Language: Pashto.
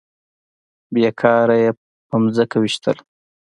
بې کاره يې په ځمکه ويشتل.